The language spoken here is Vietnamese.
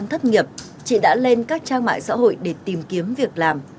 năm hai nghìn hai mươi do đang thất nghiệp chị đã lên các trang mại xã hội để tìm kiếm việc làm